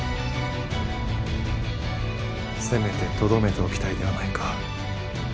せめてとどめておきたいではないか。